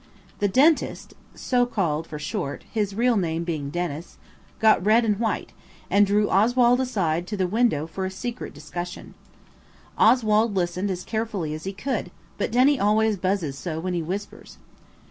The Dentist (so called for short, his real name being Denis) got red and white, and drew Oswald aside to the, window for a secret discussion. Oswald listened as carefully as he could, but Denny always buzzes so when he whispers.